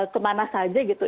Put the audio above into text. kemana saja gitu